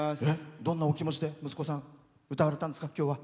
どんなお気持ちで息子さん歌われたんですか？